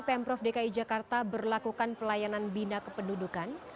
pemprov dki jakarta berlakukan pelayanan bina kependudukan